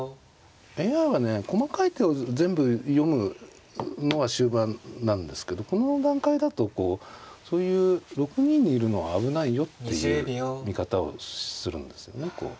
ＡＩはね細かい手を全部読むのは終盤なんですけどこの段階だとそういう６二にいるのは危ないよっていう見方をするんですよね。